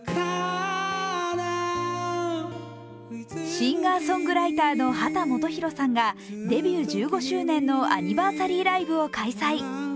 シンガーソングライターの秦基博さんがデビュー１５周年のアニバーサリーライブを開催。